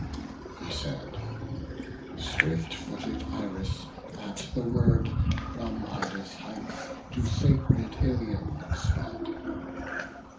He said; swift footed Iris, at the word, From Ida's heights to sacred Ilium sped.